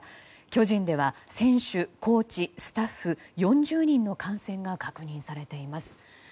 巨人では選手、コーチスタッフ４０人の感染が確認されています。